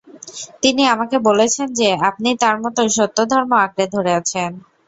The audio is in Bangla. তিনি আমাকে বলেছেন যে, আপনি তার মত সত্য ধর্ম আঁকড়ে ধরে আছেন।